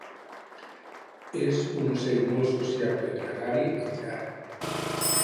És un ocell molt sociable i gregari a l'hivern.